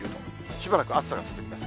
しばらく暑さが続きます。